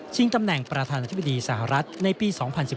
ตำแหน่งประธานาธิบดีสหรัฐในปี๒๐๑๙